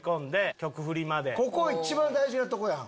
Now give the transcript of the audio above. ここ一番大事なとこやん。